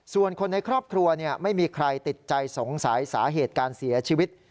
ส่วนคนในครอบครัวไม่มีใครติดใจสงสัยสาเหตุการเสียชีวิต